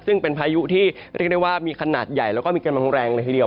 ซึ่งเป็นพายุที่เรียกได้ว่ามีขนาดใหญ่แล้วก็มีกำลังแรงเลยทีเดียว